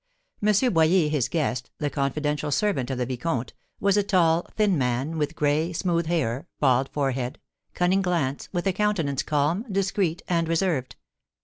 M. Boyer, his guest, the confidential servant of the vicomte, was a tall, thin man, with gray, smooth hair, bald forehead, cunning glance, with a countenance calm, discreet, and reserved.